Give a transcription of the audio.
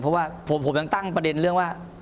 เพราะว่าผมยังตั้งประเด็นเรื่องว่า